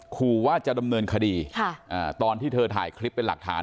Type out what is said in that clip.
ขู่ว่าจะดำเนินคดีตอนที่เธอถ่ายคลิปเป็นหลักฐาน